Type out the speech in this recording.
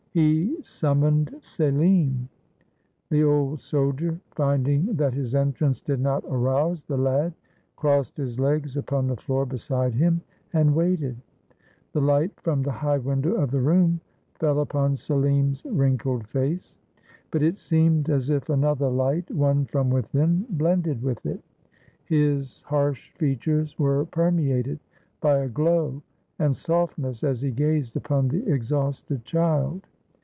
He summoned Selim. The old soldier, finding that his entrance did not arouse the lad, crossed his legs upon the floor beside him, and waited. The light from the high window of the room fell upon Selim's wrinkled face. But it seemed as if another light, one from within, blended with it. His harsh features were permeated by a glow and softness, as he gazed upon the exhausted child.